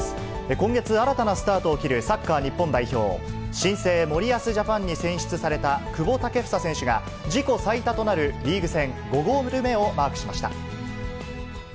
今月、新たなスタートを切るサッカー日本代表、新生森保ジャパンに選出された久保建英選手が、自己最多となるリーグ戦５ゴール目をマークしました。